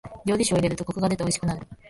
料理酒を入れるとコクが出ておいしくなる。